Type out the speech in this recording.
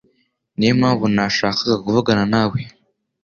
Niyo mpamvu nashakaga kuvugana nawe.